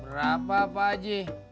berapa apa aja